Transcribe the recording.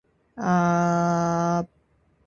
Tom tidak sedang berada di kamarnya.